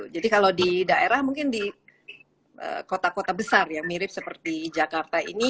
jadi kalau di daerah mungkin di kota kota besar yang mirip seperti jakarta ini